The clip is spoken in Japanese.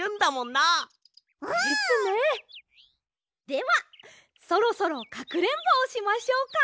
ではそろそろかくれんぼしましょうか。